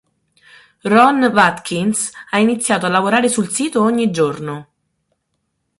Ron Watkins ha iniziato a lavorare sul sito ogni giorno.